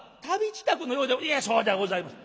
「いやそうではございません。